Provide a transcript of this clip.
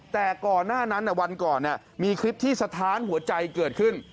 แต่ก่อนหน้านั้นวันก่อนมีคลิปที่สะท้านหัวใจเกิดขึ้น